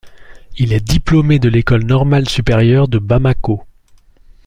Il est diplômé de l'École normale supérieure de Bamako.